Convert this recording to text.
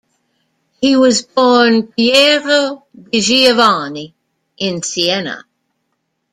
He was born Piero di Giovanni in Siena.